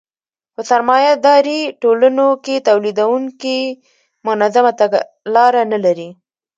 په سرمایه داري ټولنو کې تولیدونکي منظمه تګلاره نلري